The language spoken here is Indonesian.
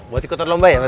buat ikutan lomba ya